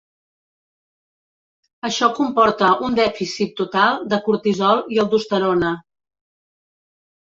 Això comporta un dèficit total de cortisol i aldosterona.